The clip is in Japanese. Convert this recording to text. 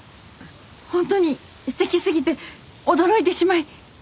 本当にすてきすぎて驚いてしまい。